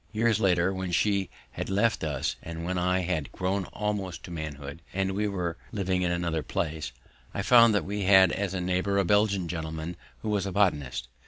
Years later, when she had left us and when I had grown almost to manhood and we were living in another place, I found that we had as neighbour a Belgian gentleman who was a botanist.